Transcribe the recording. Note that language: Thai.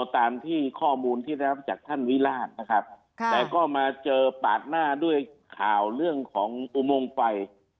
ตามที่ข้อมูลที่รับจากท่านวิราชนะครับแต่ก็มาเจอปาดหน้าด้วยข่าวเรื่องของอุโมงไฟ